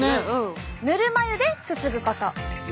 「ぬるま湯ですすぐこと！」。